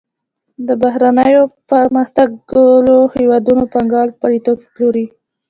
د بهرنیو پرمختللو هېوادونو پانګوال خپل توکي پلوري